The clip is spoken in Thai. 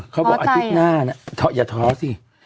๓๖๕เขาบอกอาทิตย์หน้าอย่าท้อซิ